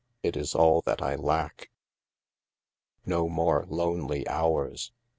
It is all that I lack." No more lonely hours!